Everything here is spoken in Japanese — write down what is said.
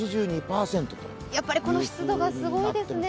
やっぱり湿度がすごいですね。